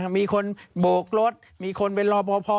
มีคนโบกรถมีคนไปรอพอพอ